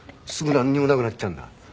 すぐなんにもなくなっちゃうんだから。